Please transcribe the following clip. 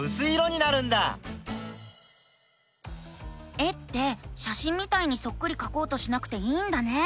絵ってしゃしんみたいにそっくりかこうとしなくていいんだね。